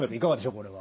これは。